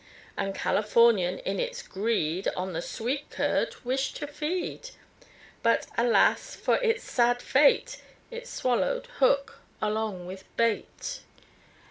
And Californian in its greed, On the sweet curd wished to feed; But, alas, for it's sad fate, It swallowed hook along with bait.